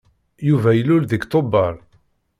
Yuba ilul deg Tubeṛ.